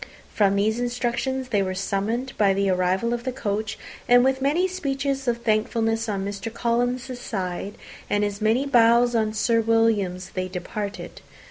From these instructions they were summoned by the arrival of the coach; and with many speeches of thankfulness on Mr. Collins's side, and as many bows on Sir William's, they departed.